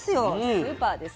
スーパーです。